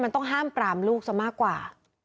ต้องห้ามปราบลูกหมดมากกว่า